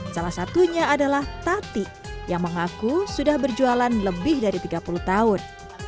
salah satunya adalah tati yang mengaku sudah berjualan lebih dari tiga puluh tahun